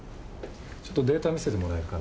ちょっとデータ見せてもらえるかな？